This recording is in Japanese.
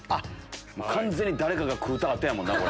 完全に誰かが食うた後やもんな。